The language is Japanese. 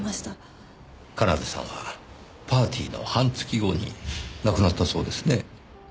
奏さんはパーティーの半月後に亡くなったそうですね。